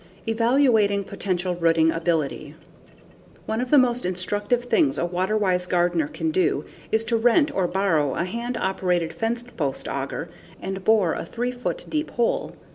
Evaluating Potential Rooting Ability One of the most instructive things a water wise gardener can do is to rent or borrow a hand operated fence post auger and bore a 3 foot deep hole.